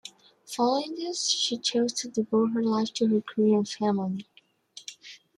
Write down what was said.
Following this, she chose to devote her life to her career and family.